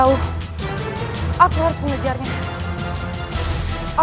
sukolnya itu bagaimana kita